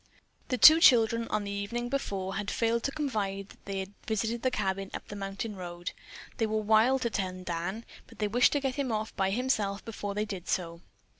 The two children, on the evening before, had failed to confide that they had visited the cabin up the mountain road. They were wild to tell Dan, but they wished to get him off by himself before they did so.